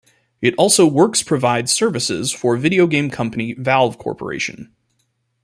It also works provides services for video game company Valve Corporation.